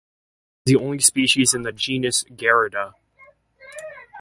It is the only species in the genus "Gerarda".